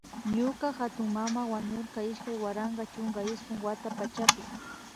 Ñuka hatunmana wañurka iskay waranka chunka iskun wata pachapi